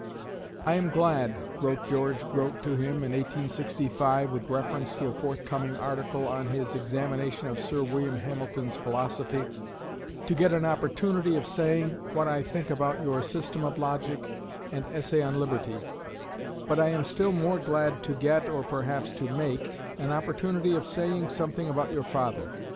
"I am glad," wrote George Grote to him in 1865, with reference to a forthcoming article on his "Examination of Sir William Hamilton's Philosophy," "to get an opportunity of saying what I think about your 'System of Logic' and 'Essay on Liberty,' but I am still more glad to get (or perhaps to make) an opportunity of saying something about your father.